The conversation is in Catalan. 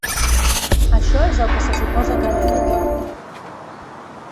Això és el que se suposa que no he de dir.